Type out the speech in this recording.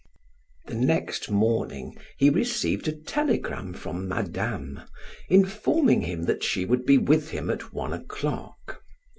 The next morning he received a telegram from Madame, informing him that she would be with him at one o'clock.